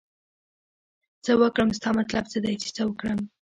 څه وکړم ستا مطلب څه دی چې څه وکړم